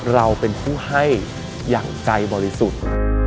เราเป็นผู้ให้อย่างใจบริสุทธิ์